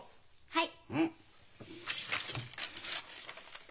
はい。